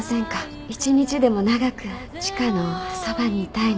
一日でも長く千賀のそばにいたいの。